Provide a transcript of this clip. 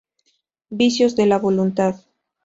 Vicios de la voluntad